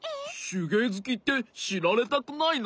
しゅげいずきってしられたくないの？